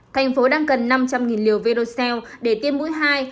thành phố đang cần năm trăm linh liều vercel để tiêm mũi hai